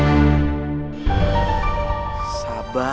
ketemu sama siapa